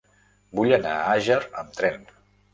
Vull anar a Àger amb tren.